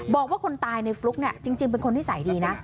บอกว่าคนตายในฟลุ๊กเนี่ยจริงเป็นคนนิสัยดีนะ